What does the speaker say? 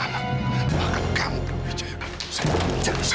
bahkan kamu belum mengejutkan